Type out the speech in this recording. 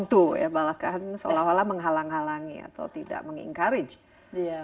itu tentu ya bahkan seolah olah menghalang halangi atau tidak mengencourage